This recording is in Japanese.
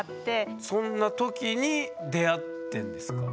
そんなときに出会ってんですか？